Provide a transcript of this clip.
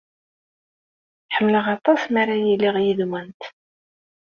Ḥemmleɣ aṭas mi ara iliɣ yid-went.